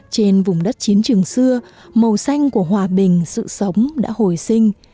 trên vùng đất chiến trường xưa màu xanh của hòa bình sự sống đã hồi sinh